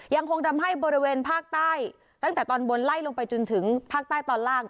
ยังคงทำให้บริเวณภาคใต้ตั้งแต่ตอนบนไล่ลงไปจนถึงภาคใต้ตอนล่าง